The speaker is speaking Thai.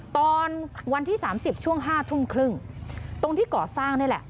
ตอนวันที่๓๐ช่วง๕ทุ่มครึ่งตรงที่ก่อสร้างนี่แหละ